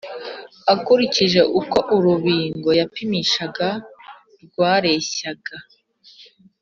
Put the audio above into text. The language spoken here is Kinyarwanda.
Akurikije uko urubingo yapimishaga rwareshyaga